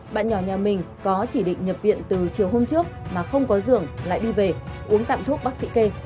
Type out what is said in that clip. bạn nhỏ nhà mình có chỉ định nhập viện từ chiều hôm trước mà không có giường lại đi về uống tạm thuốc bác sĩ kê